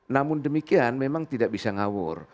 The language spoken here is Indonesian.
namun demikian memang tidak bisa ngawur